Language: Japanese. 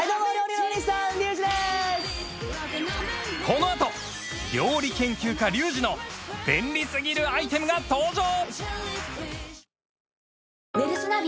このあと料理研究家リュウジの便利すぎるアイテムが登場！